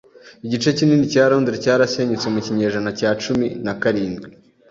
Igice kinini cya Londres cyarasenyutse mu kinyejana cya cumi na karindwi.